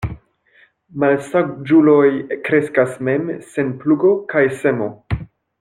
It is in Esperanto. Malsaĝuloj kreskas mem, sen plugo kaj semo.